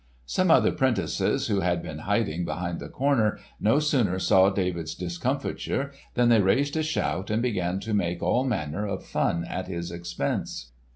Some other 'prentices who had been hiding behind the corner no sooner saw David's discomfiture than they raised a shout and began to make all manner of fun at his expense.